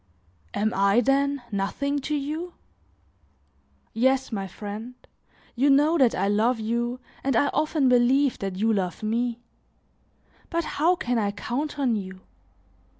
"Am I, then, nothing to you?" "Yes, my friend; you know that I love you, and I often believe that you love me. But how can I count on you?